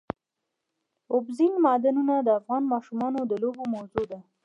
اوبزین معدنونه د افغان ماشومانو د لوبو موضوع ده.